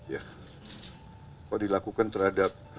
kalau dilakukan terhadap